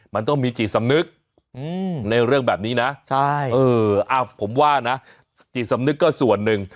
มันต้องมีจิตสำนึกในเรื่องแบบนี้นะผมว่านะจิตสำนึกก็ส่วนหนึ่ง